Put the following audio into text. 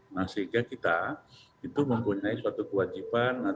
nah sehingga kita itu mempunyai suatu kewajiban